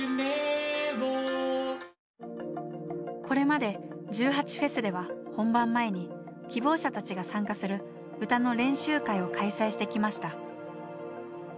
これまで１８祭では本番前に希望者たちが参加する歌の練習会を開催してきました。